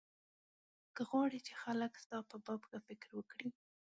که غواړې چې خلک ستا په باب ښه فکر وکړي.